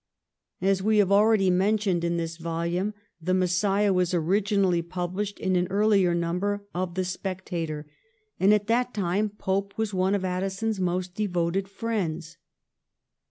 As we have already mentioned in this volume, ' The Messiah ' was originally published in an early number of 'The Spectator,' and at that time Pope was one of Addison's most devoted friends.